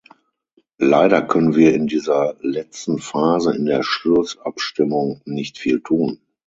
Leider können wir in dieser letzten Phase in der Schlussabstimmung nicht viel tun.